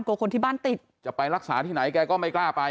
คนที่บ้านติดจะไปรักษาที่ไหนแกก็ไม่กล้าไป